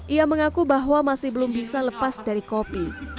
ia mengaku bahwa masih belum bisa lepas dari kopi